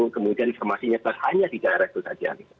kemudian informasinya hanya di daerah itu saja